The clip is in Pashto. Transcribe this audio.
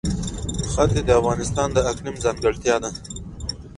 ښتې د افغانستان د اقلیم ځانګړتیا ده.